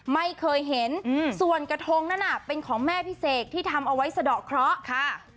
ไม่เคยเห็นส่วนกระทงนั้นเป็นของแม่พี่เสกที่ทำเอาไว้สะดอกเคราะห์ค่ะ